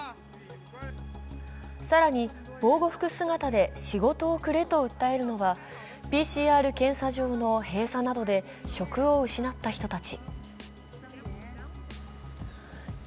更に、防護服姿で、仕事をくれと訴えるのはＰＣＲ検査場の閉鎖などで職を失った人たち。